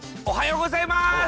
おはようございます